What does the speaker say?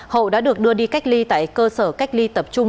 hậu đã được đưa đi cách ly tại cơ sở cách ly tập trung